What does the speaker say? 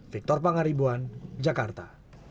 victor pangaribuan jakarta